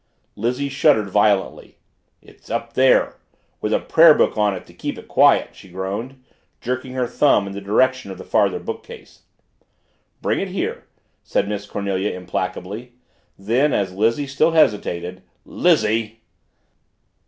Lizzie shuddered violently. "It's up there with a prayer book on it to keep it quiet!" she groaned, jerking her thumb in the direction of the farther bookcase. "Bring it here!" said Miss Cornelia implacably; then as Lizzie still hesitated, "Lizzie!"